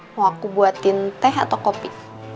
mau aku buatin teh atau kopi